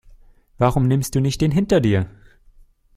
Warum nimmst du nicht den hinter dir?